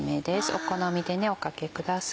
お好みでおかけください。